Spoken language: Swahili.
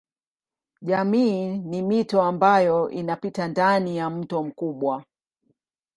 Jamii ni mito ambayo inapita ndani ya mto mkubwa.